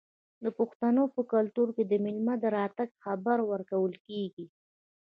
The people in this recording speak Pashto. د پښتنو په کلتور کې د میلمه د راتګ خبر ورکول کیږي.